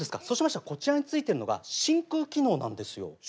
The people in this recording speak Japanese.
そうしましたらこちらについてるのが真空機能なんですよ。